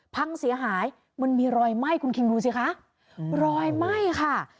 พังเสียหายมันมีรอยไหม้คุณคิงดูสิคะรอยไหม้ค่ะ